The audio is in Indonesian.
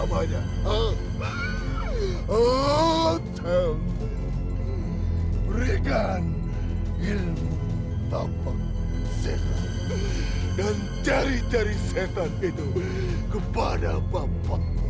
berikan ilmu tapan zeta dan jari jari setan itu kepada bapakmu